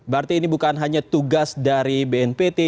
berarti ini bukan hanya tugas dari bnpt